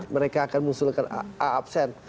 mereka akan mengusulkan a absen